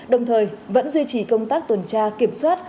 đồng thời vẫn duy trì công tác tuần tra kiểm soát